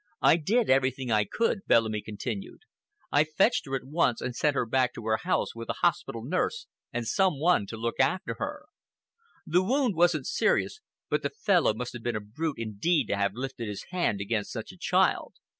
"I did everything I could," Bellamy continued. "I fetched her at once and sent her back to her house with a hospital nurse and some one to look after her. The wound wasn't serious, but the fellow must have been a brute indeed to have lifted his hand against such a child.